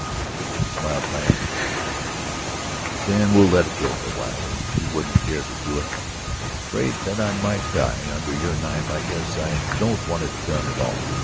He smiled triumphantly. "Then we'll let it go for a while. If you wouldn't care to do it, afraid that I might die under your knife, I guess I don't want it done at all.